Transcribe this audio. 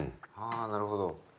あなるほど。